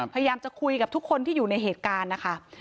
พยายามจะคุยกับทุกคนที่อยู่ในเหตุการณ์นะคะ